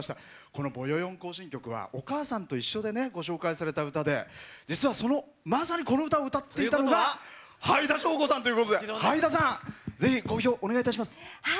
この「ぼよよん行進曲」は「おかあさんといっしょ」でご紹介された歌で実は、まさに、この歌を歌っていたのがはいだしょうこさんということではいださんぜひ、講評お願いします。